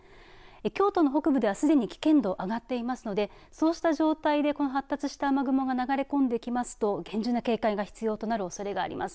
京都の北部ではすでに危険度上がっていますのでそうした状態でこの発達した雨雲が流れ込んできますと厳重な警戒が必要となるおそれがあります。